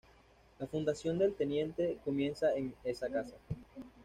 La fundación de El Teniente, comienza en esa casa.